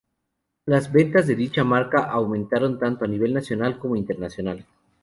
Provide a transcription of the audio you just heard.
Las ventas de dicha marca aumentaron tanto a nivel nacional como internacional.